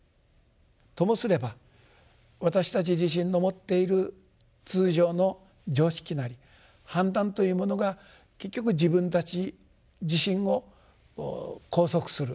ともすれば私たち自身の持っている通常の常識なり判断というものが結局自分たち自身を拘束する。